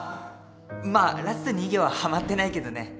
まあラスト２行ははまってないけどね。